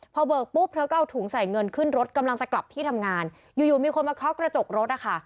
พอเบิกปุ๊บเธอก็เอาถุงใส่เงินขึ้นรถกำลังจะกลับที่ทำงานอยู่อยู่มีคนมาเคาะกระจกรถนะคะ